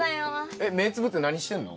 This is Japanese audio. えっ目つぶって何してんの？